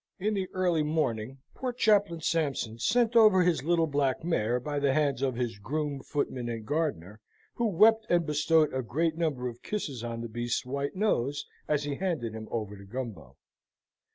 In the early morning poor Chaplain Sampson sent over his little black mare by the hands of his groom, footman, and gardener, who wept and bestowed a great number of kisses on the beast's white nose as he handed him over to Gumbo.